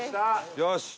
よし！